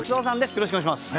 よろしくお願いします。